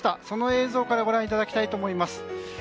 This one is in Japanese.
その映像からご覧いただきたいと思います。